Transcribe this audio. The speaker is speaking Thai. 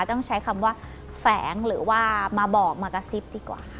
ต้องใช้คำว่าแฝงหรือว่ามาบอกมากระซิบดีกว่าค่ะ